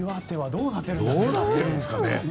どうなってるんですかね。